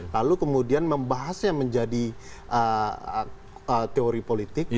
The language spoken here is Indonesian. lalu kemudian membahasnya menjadi teori politik